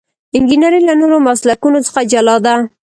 انجنیری له نورو مسلکونو څخه جلا ده.